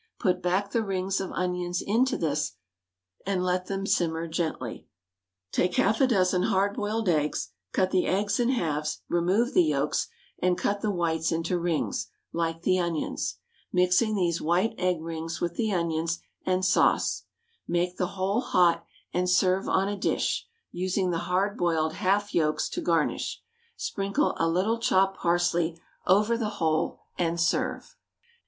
Put back the rings of onions into this, and let them simmer gently. Take half a dozen hard boiled eggs, cut the eggs in halves, remove the yolks, and cut the whites into rings, like the onions, mixing these white egg rings with the onions and sauce; make the whole hot and serve on a dish, using the hard boiled half yolks to garnish; sprinkle a little chopped parsley over the whole, and serve.